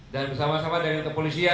dan bersama sama dengan untuk polisi